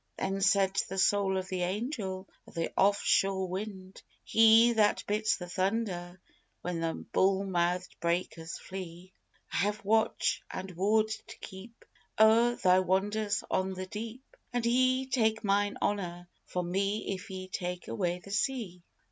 Then said the soul of the Angel of the Off shore Wind: (He that bits the thunder when the bull mouthed breakers flee): "I have watch and ward to keep O'er Thy wonders on the deep, And Ye take mine honour from me if Ye take away the sea!"